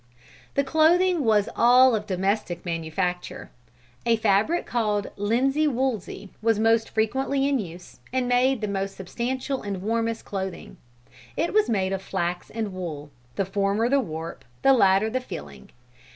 The clothing was all of domestic manufacture. A fabric called linsey woolsey was most frequently in use and made the most substantial and warmest clothing. It was made of flax and wool, the former the warp, the latter the filling.